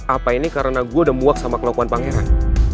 apa ini karena gue udah muak sama kelakuan pangeran